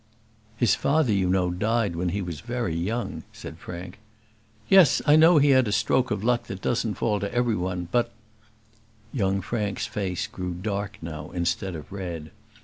"His father, you know, died when he was very young," said Frank. "Yes; I know he had a stroke of luck that doesn't fall to everyone; but " Young Frank's face grew dark now instead of red.